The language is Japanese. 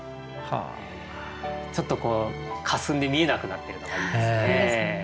ちょっとこうかすんで見えなくなってるのがいいですね。